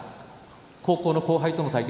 高校の後輩との対決